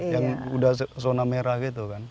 yang udah zona merah gitu kan